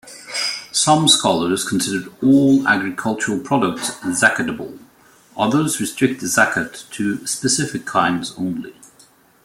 Some scholars consider all agricultural products zakatable, others restrict zakat to specific kinds only.